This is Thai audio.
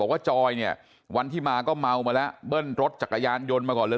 ว่าจอยเนี่ยวันที่มาก็เมามาแล้วเบิ้ลรถจักรยานยนต์มาก่อนเลย